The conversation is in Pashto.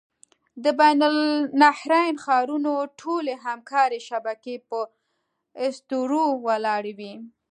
د بین النهرین ښارونو ټولې همکارۍ شبکې په اسطورو ولاړې وې.